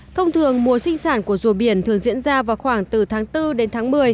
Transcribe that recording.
thông thường mùa sinh sản của rùa biển thường diễn ra vào khoảng từ tháng bốn đến tháng một mươi